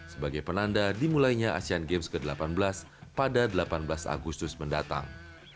sebagai penanda dimulainya asean games ke delapan belas pada delapan belas agustus mendatang